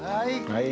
はい。